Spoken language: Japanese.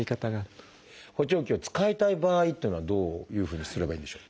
補聴器を使いたい場合っていうのはどういうふうにすればいいんでしょう？